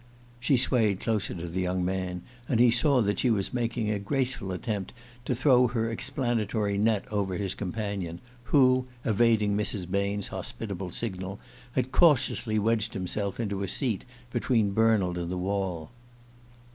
She swayed closer to the young man, and he saw that she was making a graceful attempt to throw her explanatory net over his companion, who, evading Mrs. Bain's hospitable signal, had cautiously wedged himself into a seat between Bernald and the wall.